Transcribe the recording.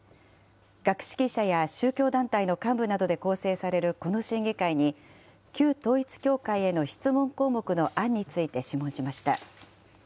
学識者や宗教団体の幹部などで構成されるこの審議会に、旧統一教会への質問項目の案について諮問しました。